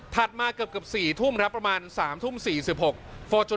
ถัดมาเกือบเกือบสี่ทุ่มครับประมาณสามทุ่มสี่สิบหก